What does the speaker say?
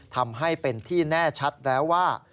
ทำให้เป็นที่แน่ชัดแล้วว่า